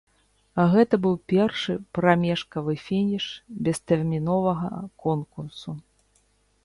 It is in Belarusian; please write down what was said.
Гэта быў першы прамежкавы фініш бестэрміновага конкурсу.